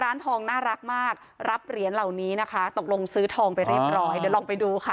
ร้านทองน่ารักมากรับเหรียญเหล่านี้นะคะตกลงซื้อทองไปเรียบร้อยเดี๋ยวลองไปดูค่ะ